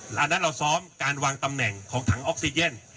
หลังจากนั้นเราซ้อมการวางตำแหน่งของถังออกซิเจน